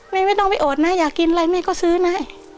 ไม่ต้องไปโอดนะอยากกินอะไรแม่ก็ซื้อนะ